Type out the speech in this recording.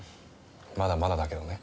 まだまだだけどね。